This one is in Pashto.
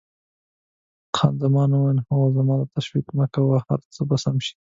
خان زمان وویل: هو، خو ته تشویش مه کوه، هر څه به سم شي.